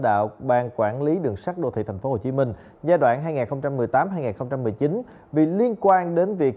đạo ban quản lý đường sắt đô thị thành phố hồ chí minh giai đoạn hai nghìn một mươi tám hai nghìn một mươi chín vì liên quan đến việc